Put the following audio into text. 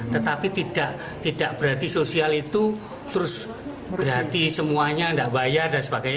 tetapi tidak berarti sosial itu terus berarti semuanya tidak bayar dan sebagainya